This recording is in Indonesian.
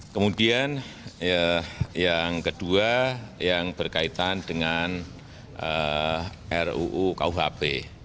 kemudian yang kedua yang berkaitan dengan ruu kuhp